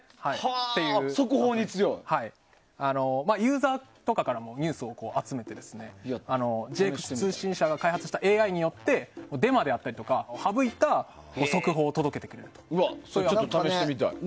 ユーザーとかからもニュースを集めてＪＸ通信社が開発したＡＩによってデマであったりとかを省いた速報を届けてくれます。